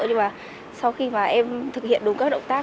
nhưng mà sau khi mà em thực hiện đúng các động tác